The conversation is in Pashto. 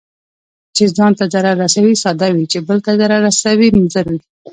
چي ځان ته ضرر رسوي، ساده وي، چې بل ته ضرر رسوي مضر وي.